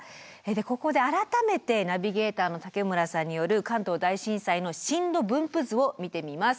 ここで改めてナビゲーターの武村さんによる関東大震災の震度分布図を見てみます。